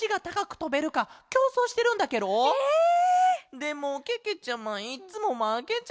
でもけけちゃまいっつもまけちゃうんだケロ。